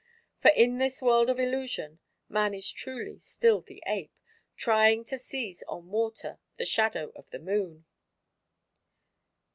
For in this world of illusion, man is truly still the ape, trying to seize on water the shadow of the Moon."